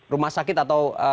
rumah sakit atau